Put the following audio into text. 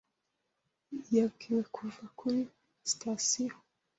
Yabwiwe kuva kuri sitasiyo.